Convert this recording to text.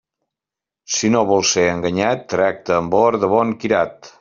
Si no vols ser enganyat, tracta amb or de bon quirat.